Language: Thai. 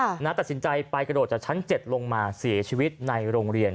้าตัดสินใจกระโดดไปจากชั้น๗ลงมาเสียชีวิตในโรงเรียน